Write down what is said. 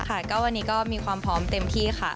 ค่ะก็วันนี้ก็มีความพร้อมเต็มที่ค่ะ